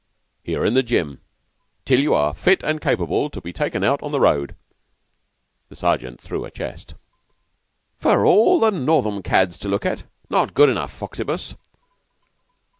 "Here in the gym till you are fit an' capable to be taken out on the road." The Sergeant threw a chest. "For all the Northam cads to look at? Not good enough, Foxibus."